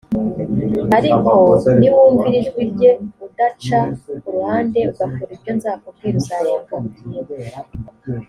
ariko niwumvira ijwi rye udaca ku ruhande ugakora ibyo nzakubwira, uzahembwa ubugingo